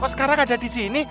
kok sekarang ada di sini